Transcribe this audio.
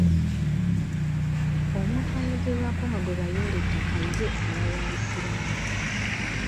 Omuntu ayogerwako nga gwe baayoola ettaka ye aba wa bisiraani.